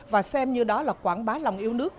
và xem như đó là quảng bá lòng yêu nước